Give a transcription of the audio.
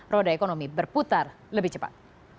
roda ekonomi berputar lebih cepat